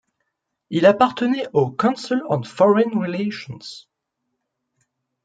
Il appartenait au Council on Foreign Relations.